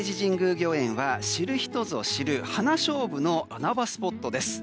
御苑は知る人ぞ知る花菖蒲の穴場スポットです。